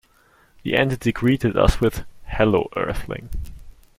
The entity greeted us with "hello earthling".